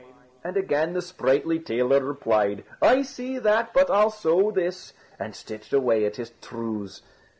And again the sprightly tailor replied: "I see that, but I'll sew this!" and stitched away at his trews.